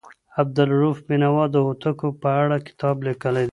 عبدالروف بېنوا د هوتکو په اړه کتاب لیکلی دی.